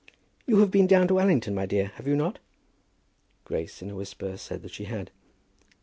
"You have been down at Allington, my dear, have you not?" Grace, in a whisper, said that she had.